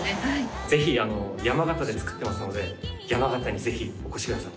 ぜひ山形で作ってますので山形にぜひお越しください。